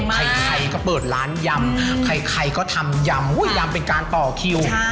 ใครก็เปิดร้านยำใครก็ทำยำยำเป็นการต่อคิว